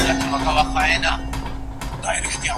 بریالیو خلګو ډېره لېوالتیا ښودلې وه.